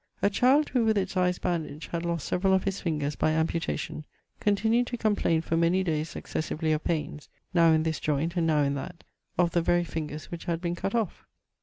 A child who with its eyes bandaged had lost several of his fingers by amputation, continued to complain for many days successively of pains, now in this joint and now in that, of the very fingers which had been cut off.